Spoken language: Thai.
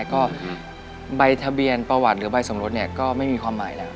ก็ใบทะเบียนประวัติหรือใบสมรสเนี่ยก็ไม่มีความหมายแล้ว